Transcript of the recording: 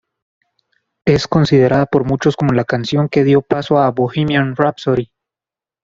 Es considerada por muchos como la canción que dio paso a "Bohemian Rhapsody".